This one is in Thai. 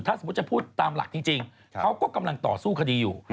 ถ้าสมมุติจะพูดตามหลักจริงเขาก็กำลังต่อสู้คดีอยู่